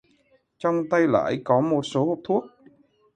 trong tay lải có một số hộp thuốc